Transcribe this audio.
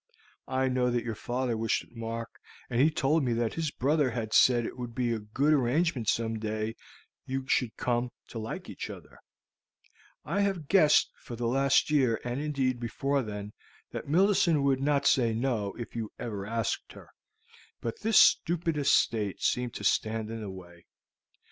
I know that your father wished it, Mark, and he told me that his brother had said that it would be a good arrangement if some day you should come to like each other. I have guessed for the last year, and, indeed, before then, that Millicent would not say 'No' if you ever asked her; but this stupid estate seemed to stand in the way.